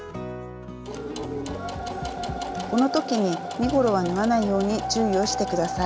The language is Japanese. この時に身ごろは縫わないように注意をして下さい。